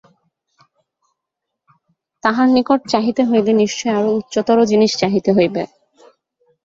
তাঁহার নিকট চাহিতে হইলে নিশ্চয়ই আরও উচ্চতর জিনিষ চাহিতে হইবে।